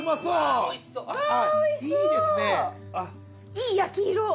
いい焼き色。